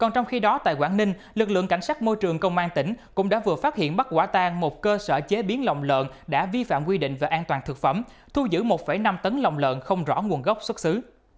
trong khi đó tại quảng ninh lực lượng cảnh sát môi trường công an tỉnh cũng đã vừa phát hiện bắt quả tan một cơ sở chế biến lòng lợn đã vi phạm quy định về an toàn thực phẩm thu giữ một năm tấn lòng lợn không rõ nguồn gốc xuất xứ